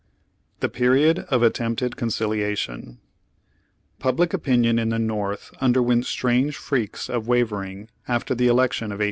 TEE PERIOD OF ATTEMPTED CONCILIATION Public opinion in the North underwent strange freaks of wavering after the election of 1860.